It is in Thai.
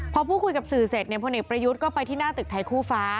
พอพูดคุยกับสื่อเสร็จเนี่ยพลเอกประยุทธ์ก็ไปที่หน้าตึกไทยคู่ฟ้า